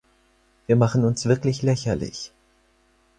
Wir machen uns wirklich lächerlich.